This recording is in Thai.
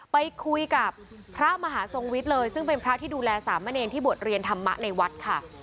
ไปคุยกับพระมหาทรงวิทย์เลยซึ่งเป็นพระที่ดูแลสามเณรที่บวชเรียนธรรมะในวัดค่ะ